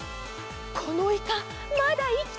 このイカまだいきてる！